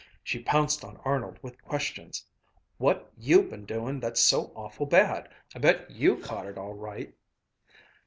She pounced on Arnold with questions. "What you been doing that's so awful bad? I bet you caught it all right!"